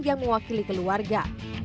yang mewakili keluarga